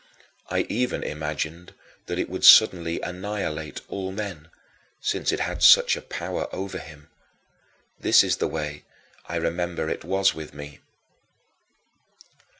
I even imagined that it would suddenly annihilate all men, since it had had such a power over him. This is the way I remember it was with me.